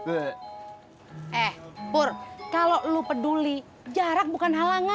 eh pur kalau lu peduli jarak bukan halangan